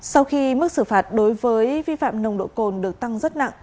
sau khi mức xử phạt đối với vi phạm nồng độ cồn được tăng rất nặng